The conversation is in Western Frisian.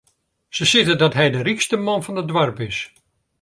Se sizze dat hy de rykste man fan it doarp is.